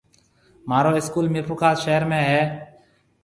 مهارو اسڪول ميرپورخاص شهر ۾ هيَ۔